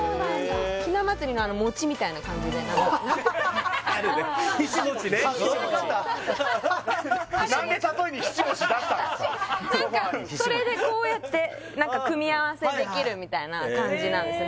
ひな祭りのあの餅みたいな感じであるねひし餅ね何で何かそれでこうやって何か組み合わせできるみたいな感じなんですね